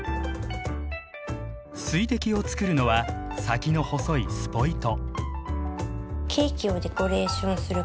水滴をつくるのは先の細いスポイト。